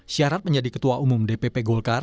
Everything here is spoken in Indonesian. syarat menjadi ketua umum dpw